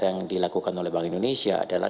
yang dilakukan oleh bank indonesia adalah